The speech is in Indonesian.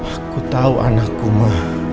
aku tahu anakku ma